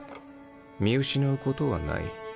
見失うことはない。